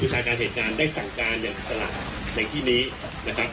ชาการเหตุการณ์ได้สั่งการอย่างตลาดในที่นี้นะครับ